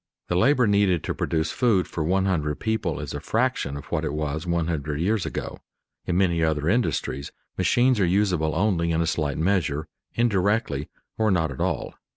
The labor needed to produce food for one hundred people is a fraction of what it was one hundred years ago. In many other industries machines are usable only in a slight measure, indirectly, or not at all.